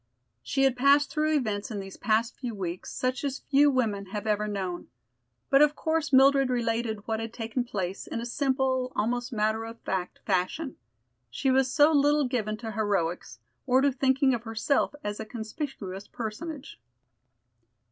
She had passed through events in these past few weeks such as few women have ever known. But of course Mildred related what had taken place in a simple, almost matter of fact fashion. She was so little given to heroics, or to thinking of herself as a conspicuous personage.